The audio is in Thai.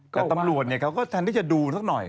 แต่ตำรวจเนี่ยเค้าก็แทนที่จะดูซักหน่อย